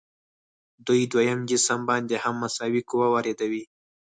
دوی دویم جسم باندې هم مساوي قوه واردوي.